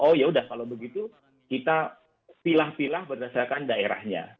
oh yaudah kalau begitu kita pilah pilah berdasarkan daerahnya